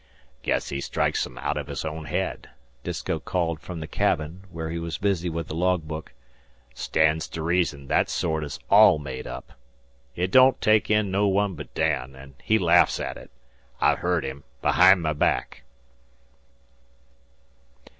"Guess he strikes 'em outen his own head," Disko called from the cabin, where he was busy with the logbook. "Stands to reason that sort is all made up. It don't take in no one but Dan, an' he laughs at it. I've heard him, behind my back."